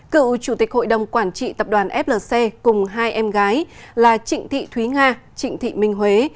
cựu chủ tịch hội đồng quản trị tập đoàn flc cùng hai em gái là trịnh thị thúy nga trịnh thị minh huế